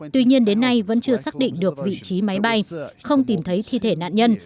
tuy nhiên đến nay vẫn chưa xác định được vị trí máy bay không tìm thấy thi thể nạn nhân